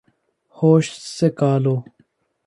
ہوش سے کا لو